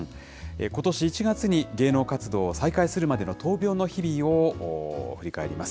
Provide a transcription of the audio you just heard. ことし１月に芸能活動を再開するまでの闘病の日々を振り返ります。